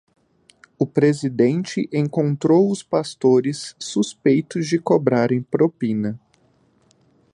O presidente encontrou os pastores suspeitos de cobrarem propina